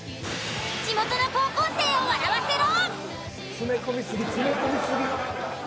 地元の高校生を笑わせろ。